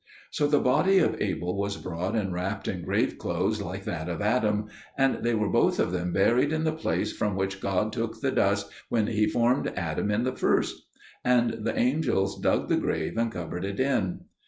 So the body of Abel was brought and wrapped in grave clothes like that of Adam; and they were both of them buried in the place from which God took the dust when He formed Adam at the first, and the angels dug the grave and covered it in.